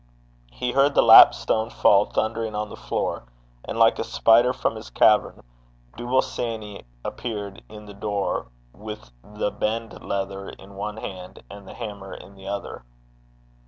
He heard the lap stone fall thundering on the floor, and, like a spider from his cavern, Dooble Sanny appeared in the door, with the bend leather in one hand, and the hammer in the other.